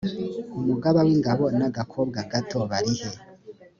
umugaba w ingabo n agakobwa gato barihe